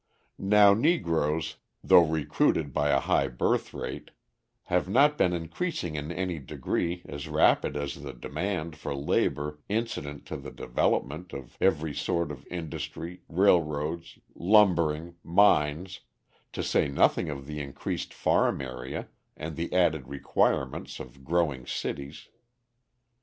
Now Negroes, though recruited by a high birth rate, have not been increasing in any degree as rapidly as the demand for labour incident to the development of every sort of industry, railroads, lumbering, mines, to say nothing of the increased farm area and the added requirements of growing cities.